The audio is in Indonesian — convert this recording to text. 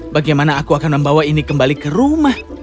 bagaimana aku akan membawa ini kembali ke rumah